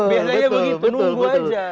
biasanya begitu nunggu aja